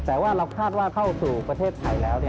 แต่ว่าเราคาดว่าเข้าสู่ประเทศไทยแล้ว